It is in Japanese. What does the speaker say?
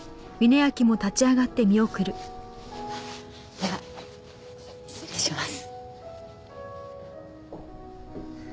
では失礼します。